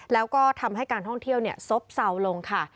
แล้วก็ทำให้การท่องเที่ยวซบเซาลงค่ะ